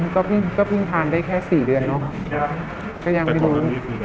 ก็เพิ่งทานได้แค่๔เดือนเนอะก็ยังไม่รู้